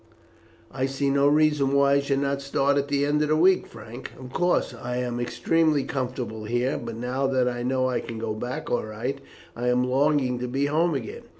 "I see no reason why I should not start at the end of the week, Frank. Of course, I am extremely comfortable here; but now that I know I can go back all right I am longing to be home again.